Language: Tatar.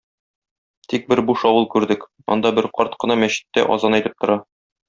Тик бер буш авыл күрдек, анда бер карт кына мәчеттә азан әйтеп тора.